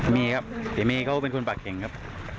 มีครับแต่แม่เขาเป็นคนปลาเก่งครับ